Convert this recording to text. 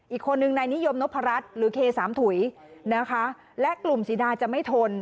อีกคนนึงนายนิยมนพรัชหรือเคสามถุยนะคะและกลุ่มสีดาจะไม่ทน